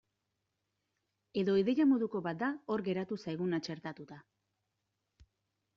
Edo ideia moduko bat da hor geratu zaiguna txertatuta.